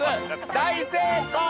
大成功！